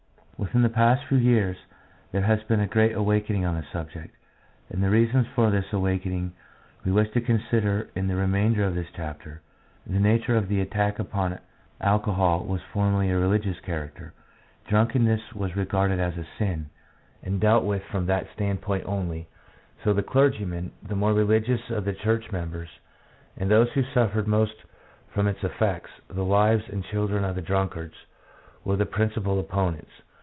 Within the past few years there has been a great awakening on the subject, and the reasons for this awakening we wish to consider in the remainder of this chapter. The nature of the attack upon alcohol was formerly of a religious character. Drunkenness INTRODUCTION. 3 was regarded as a sin, and dealt with from that standpoint only, so that clergymen, the more religious of the church members, and those who suffered most from its effects — the wives and children of the drunkards — were the principal opponents.